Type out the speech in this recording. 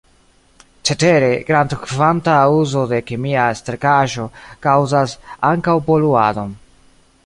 Cetere, grandkvanta uzo de kemia sterkaĵo kaŭzas ankaŭ poluadon.